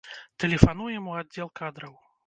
Тэлефануем у аддзел кадраў.